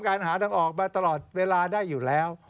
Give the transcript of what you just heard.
หาทางออกมาตลอดเวลาได้อยู่แล้ว